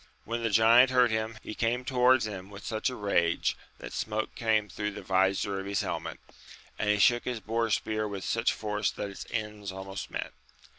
When the giant heard him, he came towards him with such rage that smoke came through the vizor of his helmet, and he shook his boar spear with such force that its ends almost met.